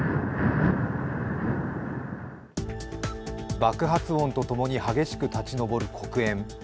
爆発音と共に激しく立ちのぼる黒煙。